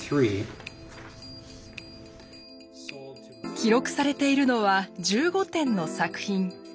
記録されているのは１５点の作品。